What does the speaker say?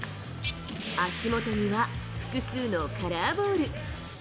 足元には複数のカラーボール。